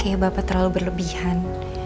kayaknya bapak terlalu berlebihan